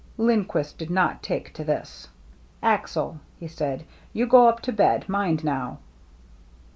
Lindquist did not take to this. " Axel/' he said, " you go up to bed. Mind, now